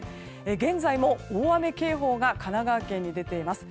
現在も大雨警報が神奈川県に出ています。